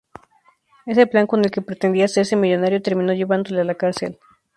Ese plan con el que pretendía hacerse millonario terminó llevándole a la cárcel.